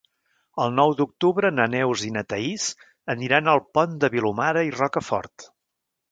El nou d'octubre na Neus i na Thaís aniran al Pont de Vilomara i Rocafort.